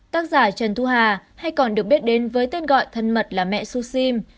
tác giả trần thu hà hay còn được biết đến với tên gọi thân mật là mẹ su sim